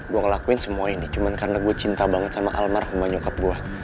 gue ngelakuin semua ini cuma karena gue cinta banget sama almarhumah nyukap gue